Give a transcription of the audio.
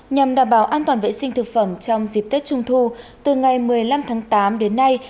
nhằm đảm bảo an toàn vệ sinh thực phẩm trong dịp tết trung thu từ ngày một mươi năm tháng tám đến nay